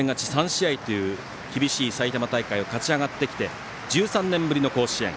３試合という厳しい埼玉大会を勝ち上がってきて１３年ぶりの甲子園。